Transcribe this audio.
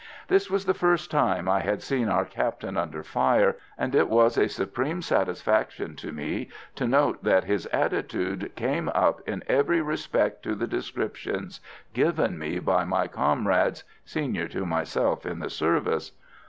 This was the first time I had seen our Captain under fire, and it was a supreme satisfaction to me to note that his attitude came up in every respect to the descriptions given me by my comrades, senior to myself in the service.